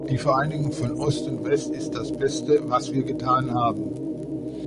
Die Vereinigung von Ost und West ist das Beste, was wir getan haben.